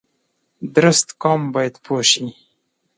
درست قام باید پوه شي